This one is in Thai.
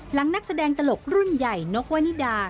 นักแสดงตลกรุ่นใหญ่นกวนิดา